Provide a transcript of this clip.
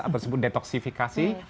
atau disebut detoksifikasi